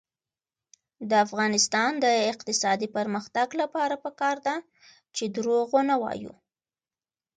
د افغانستان د اقتصادي پرمختګ لپاره پکار ده چې دروغ ونه وایو.